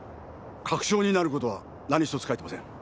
確証になることは何一つ書いてません。